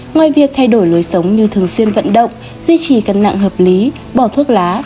ngoài việc thay đổi lối sống như thường xuyên vận động duy trì cân nặng hợp lý bỏ thuốc lá